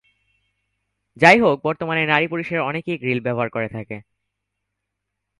যাই হোক, বর্তমানে নারী-পুরষের অনেকেই গ্রিল ব্যবহার করে থাকে।